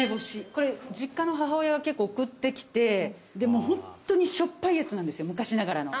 これ実家の母親が結構送ってきてもうホントにしょっぱいやつなんですよ昔ながらの。